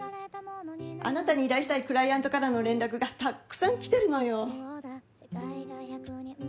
あなたに依頼したいクライアントからの連絡がたくさん来てるのよ